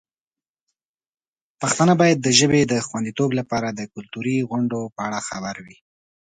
پښتانه باید د ژبې د خوندیتوب لپاره د کلتوري غونډو په اړه خبر وي.